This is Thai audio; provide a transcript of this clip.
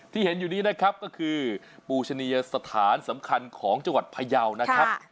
เห็นอยู่นี้นะครับก็คือปูชะเนียสถานสำคัญของจังหวัดพยาวนะครับ